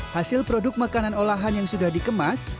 hasil produk makanan olahan yang sudah dikemas